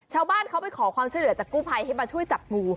ชาวบ้านเขาไปขอความช่วยเหลือจากกู้ภัยให้มาช่วยจับงู